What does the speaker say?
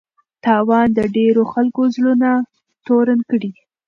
تاوان د ډېرو خلکو زړونه توري کوي.